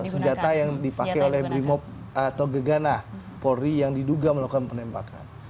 senjata yang dipakai oleh brimob atau gegana polri yang diduga melakukan penembakan